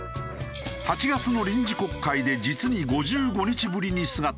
８月の臨時国会で実に５５日ぶりに姿を見せた。